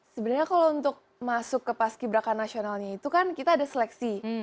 sebenarnya kalau untuk masuk ke paski braka nasionalnya itu kan kita ada seleksi